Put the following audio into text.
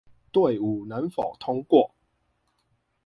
隊伍能否通過